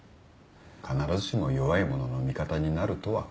必ずしも弱い者の味方になるとはかぎらない。